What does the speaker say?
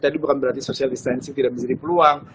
tadi bukan berarti social distancing tidak menjadi peluang